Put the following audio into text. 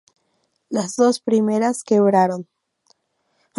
Las dos primeras quebraron.